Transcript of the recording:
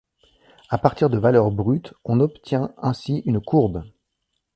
À partir de valeurs brutes on obtient ainsi une courbe.